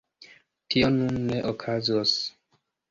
Tio nun ne okazos.